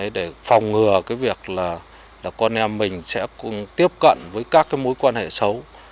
để phòng ngừa cái việc là con em mình sẽ tiếp cận với các mối quan hệ xấu